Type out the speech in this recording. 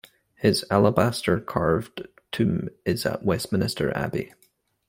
His alabaster-carved tomb is at Westminster Abbey.